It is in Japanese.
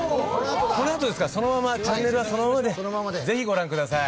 このあとですからチャンネルはそのままでぜひご覧ください。